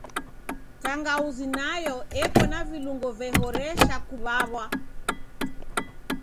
Tangauzi nayo eko na vilungo vehoresha kuw'aw'a.